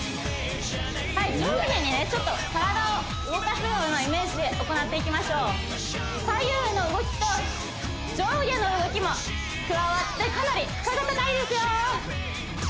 はい上下にちょっと体を動かすようなイメージで行っていきましょう左右の動きと上下の動きも加わってかなり負荷が高いですよ